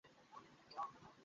ওঃ আমার তলপেট।